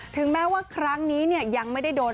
ถึงแม้ว่าครั้งนี้ยังไม่ได้โดน